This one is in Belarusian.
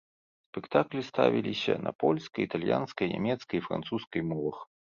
Спектаклі ставіліся на польскай, італьянскай, нямецкай і французскай мовах.